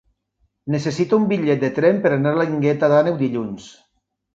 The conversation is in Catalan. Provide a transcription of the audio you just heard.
Necessito un bitllet de tren per anar a la Guingueta d'Àneu dilluns.